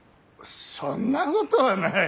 そんなことはない。